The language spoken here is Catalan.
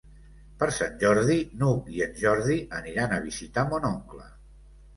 Per Sant Jordi n'Hug i en Jordi aniran a visitar mon oncle.